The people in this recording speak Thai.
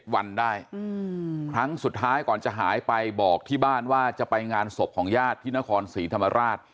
วันได้ครั้งสุดท้ายก่อนจะหายไปบอกที่บ้านว่าจะไปงานศพของญาติที่นครศรีธรรมราช